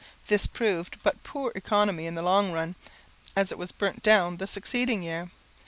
This proved but poor economy in the long run, as it was burnt down the succeeding year.